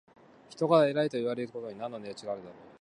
人々から偉いといわれることに何の値打ちがあろう。